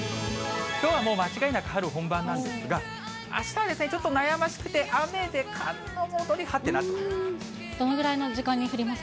きょうはもう間違いなく春本番なんですが、あしたはですね、ちょっと悩ましくて、雨で、どのぐらいの時間に降ります